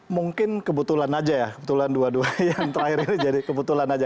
mungkin kebetulan aja ya kebetulan dua duanya yang terakhir ini jadi kebetulan aja